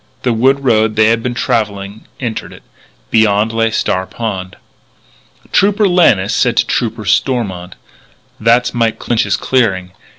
The wood road they had been travelling entered it. Beyond lay Star Pond. Trooper Lannis said to Trooper Stormont: "That's Mike Clinch's clearing.